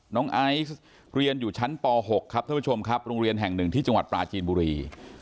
ไอซ์เรียนอยู่ชั้นป๖ครับท่านผู้ชมครับโรงเรียนแห่งหนึ่งที่จังหวัดปลาจีนบุรี